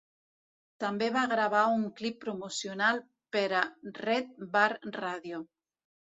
També va gravar un clip promocional per a Red Bar Radio.